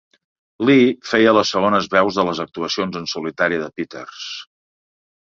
Lee feia les segones veus de les actuacions en solitari de Peters.